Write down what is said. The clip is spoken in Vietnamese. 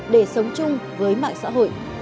để sống chung với mạng xã hội